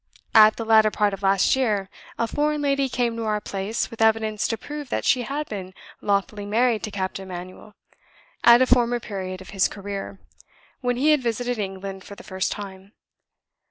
At the latter part of last year, a foreign lady came to our place, with evidence to prove that she had been lawfully married to Captain Manuel, at a former period of his career, when he had visited England for the first time.